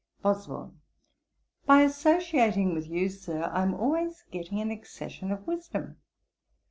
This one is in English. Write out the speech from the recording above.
BOSWELL. 'By associating with you, Sir, I am always getting an accession of wisdom.